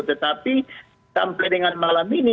tetapi sampai dengan malam ini